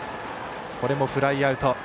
これもフライアウト。